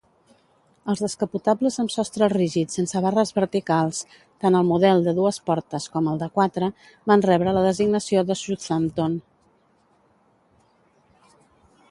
Els descapotables amb sostre rígid sense barres verticals , tant el model de dues portes com el de quatre, van rebre la designació de Southampton.